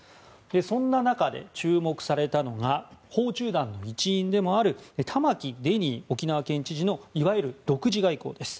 そんな中で注目されたのが訪中団の一員でもある玉城デニー沖縄県知事のいわゆる独自外交です。